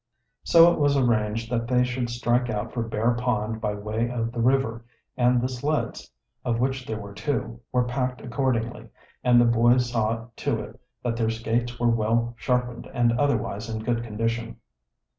So it was arranged that they should strike out for Bear Pond by way of the river, and the sleds, of which there were two, were packed accordingly, and the boys saw to it that their skates were well sharpened and otherwise in good condition.